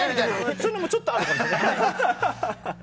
そういうのもちょっとあるかも。